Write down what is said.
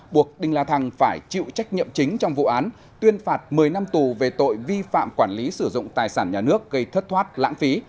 buộc đinh la thăng phải chịu trách nhiệm chính trong vụ án tuyên phạt một mươi năm tù về tội vi phạm quản lý sử dụng tài sản nhà nước gây thất thoát lãng phí